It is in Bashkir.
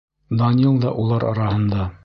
Данил да улар араһында.